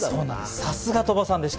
さすが鳥羽さんでした。